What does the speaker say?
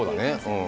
うん。